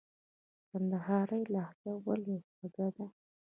کندهارۍ لهجه ولي خوږه ده ؟